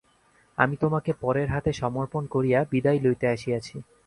আমি তোমাকে পরের হাতে সমর্পণ করিয়া বিদায় লইতে আসিয়াছি।